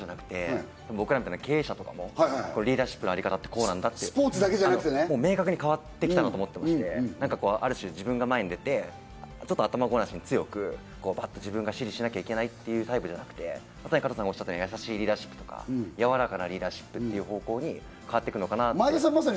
今回そこだけじゃなくて、僕ら経営者もリーダーシップのあり方って、こうなんだなって、明確に変わってきたなと思っていて、ある種、自分が前に出て、頭ごなしに強くバッと自分が指示しなきゃいけないっていうタイプではなくて、優しいリーダーシップとか、やわらかなリーダーシップというふうに変わっていくのかなって。